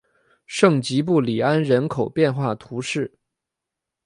圣吉布里安人口变化图示